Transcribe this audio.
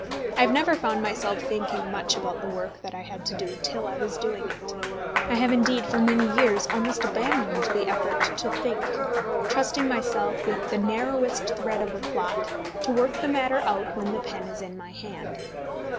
I have never found myself thinking much about the work that I had to do till I was doing it. I have indeed for many years almost abandoned the effort to think, trusting myself, with the narrowest thread of a plot, to work the matter out when the pen is in my hand.